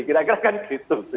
kira kira kan gitu